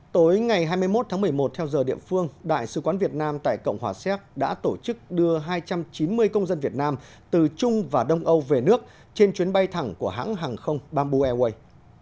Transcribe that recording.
tối ngày hai mươi một tháng một mươi một theo giờ địa phương đại sứ quán việt nam tại cộng hòa séc đã tổ chức đưa hai trăm chín mươi công dân việt nam từ trung và đông âu về nước trên chuyến bay thẳng của hãng hàng không bamboo airways